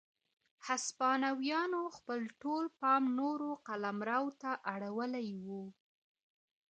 هسپانویانو خپل ټول پام نورو قلمرو ته اړولی و.